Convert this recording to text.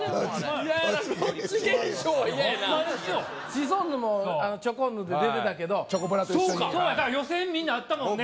シソンヌもチョコンヌで出てたけどチョコプラと一緒に予選みんな会ったもんね